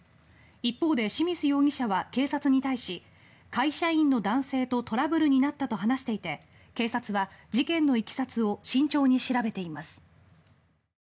一方で清水容疑者は警察に対し会社員の男性とトラブルになったと話していて警察は事件のいきさつを慎重に調べています。